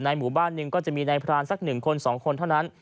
หมู่บ้านหนึ่งก็จะมีนายพรานสัก๑คน๒คนเท่านั้น